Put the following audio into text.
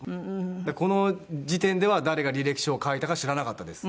この時点では誰が履歴書を書いたか知らなかったです。